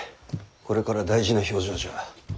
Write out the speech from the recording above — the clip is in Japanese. これから大事な評定じゃ。